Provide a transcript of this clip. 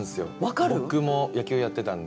僕も野球やってたんで。